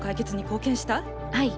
はい。